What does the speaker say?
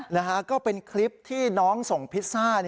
นะฮะก็เป็นคลิปที่น้องส่งพิซซ่า